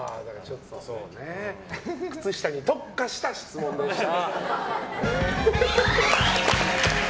靴下に特化した質問でした。